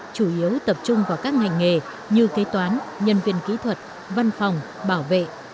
chủ yếu tập trung vào các ngành nghề như kế toán nhân viên kỹ thuật văn phòng bảo vệ